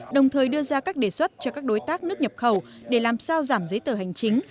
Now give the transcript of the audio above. đồng thời đưa ra các đề xuất cho các đối tác nước nhập khẩu để làm sao giảm giấy tờ hành chính